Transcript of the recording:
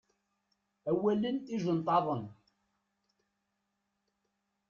Awalen ijenṭaḍen.